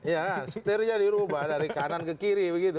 ya setirnya dirubah dari kanan ke kiri begitu